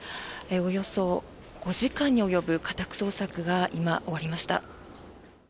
およそ５時間に及ぶ家宅捜索が今、終わりました。